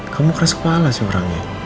kamu keras kepala sih orangnya